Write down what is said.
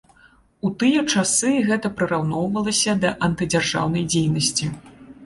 У тыя часы гэта прыраўноўвалася да антыдзяржаўнай дзейнасці.